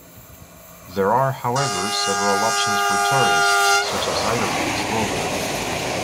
There are, however, several options for tourists, such as Ytterviks Rorbuer.